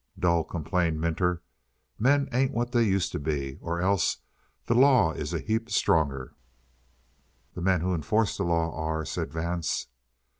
"Dull," complained Minter. "Men ain't what they used to be, or else the law is a heap stronger." "The men who enforce the law are," said Vance.